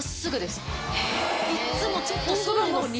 いっつもちょっと反るのに。